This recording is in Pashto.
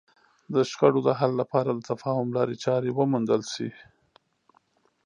د شخړو د حل لپاره د تفاهم لارې چارې وموندل شي.